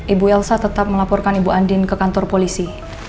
ibu elsa tetap melaporkan ibu andin ke kantor polisi